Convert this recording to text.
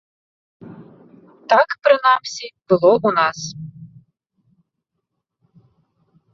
Так, прынамсі, было ў нас.